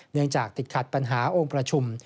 เนื่องจากติดขัดปัญหาองค์ประชุม